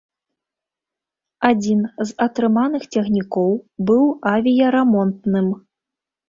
Адзін з атрыманых цягнікоў быў авіярамонтным.